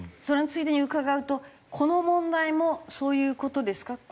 それのついでに伺うとこの問題もそういう事ですか？